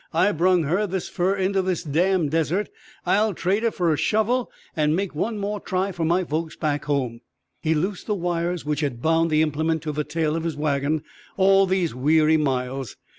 "I brung her this fur into this damned desert. I'll trade her fer a shovel and make one more try fer my folks back home." He loosed the wires which had bound the implement to the tail of his wagon all these weary miles.